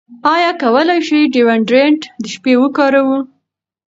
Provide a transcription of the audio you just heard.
ایا کولی شو ډیوډرنټ د شپې وکاروو؟